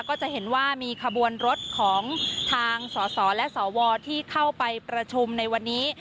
ก็จะเห็นว่ามีขบวนรถของทางสสและสวที่เข้าไปประชุมในวันนี้